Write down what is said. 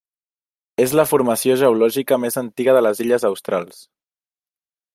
És la formació geològica més antiga de les illes Australs.